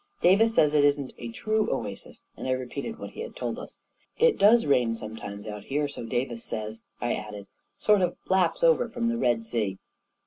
" Davis says it isn't a true oasis," and I repeated what he had told us. " It does rain sometimes out here, so Davis says,' 9 I added; "sort of laps over from the Red Sea."